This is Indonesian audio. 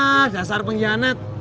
ah dasar pengkhianat